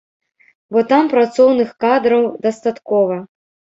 Бо там працоўных кадраў дастаткова.